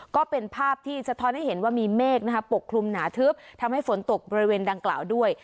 ก็เป็นภาพที่สะท้อนให้เห็นว่ามีเมฆปกคลุมหนาทึบทำให้ฝนตกบริเวณดังกล่าวด้วย